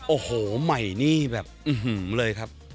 โอ้โหใหม่นี่แบบอื้อหือเลยครับ